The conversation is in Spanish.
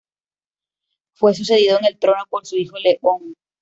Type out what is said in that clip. Fue sucedido en el trono por su hijo León.